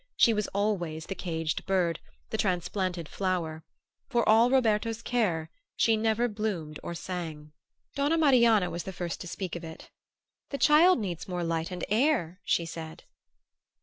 She was always the caged bird, the transplanted flower: for all Roberto's care she never bloomed or sang. Donna Marianna was the first to speak of it. "The child needs more light and air," she said.